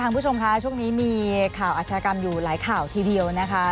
คุณผู้ชมคะช่วงนี้มีข่าวอาชญากรรมอยู่หลายข่าวทีเดียวนะคะ